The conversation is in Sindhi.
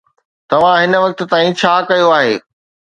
توهان هن وقت تائين ڇا ڪيو آهي؟